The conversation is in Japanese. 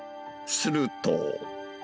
すると。